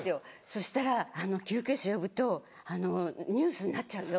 そしたら「救急車呼ぶとニュースになっちゃうよ」